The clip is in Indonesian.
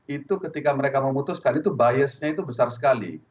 itu ketika mereka memutuskan itu biasnya itu besar sekali